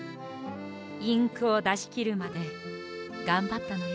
インクをだしきるまでがんばったのよ。